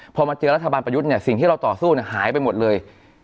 พอมาเจอรัฐบาลประยุทธ์เนี่ยสิ่งที่เราต่อสู้หายไปหมดเลย